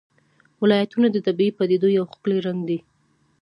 ولایتونه د طبیعي پدیدو یو ښکلی رنګ دی.